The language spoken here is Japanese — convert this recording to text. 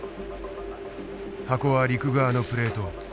箱は陸側のプレート。